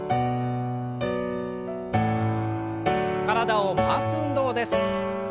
体を回す運動です。